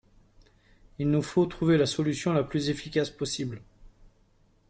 Il nous faut trouver la solution la plus efficace possible.